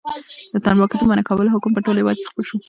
د تنباکو د منع کولو حکم په ټول هېواد کې خپور شو.